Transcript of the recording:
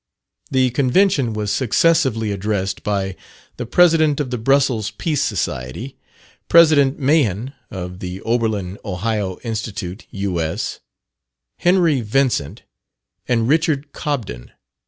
The Convention was successively addressed by the President of the Brussels Peace Society; President Mahan of the Oberlin (Ohio) Institute, U.S.; Henry Vincent; and Richard Cobden.